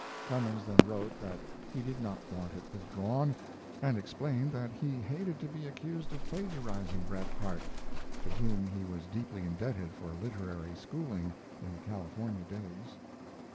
Clemens then wrote that he did not want it withdrawn, and explained that he hated to be accused of plagiarizing Bret Harte, to whom he was deeply indebted for literary schooling in the California days.